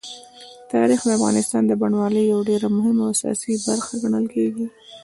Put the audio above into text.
تاریخ د افغانستان د بڼوالۍ یوه ډېره مهمه او اساسي برخه ګڼل کېږي.